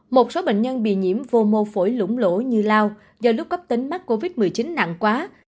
một số bệnh nhân bị nhiễm vô mô phổi lũng lỗ như lao do lúc cấp tính mắc covid một mươi chín nặng quá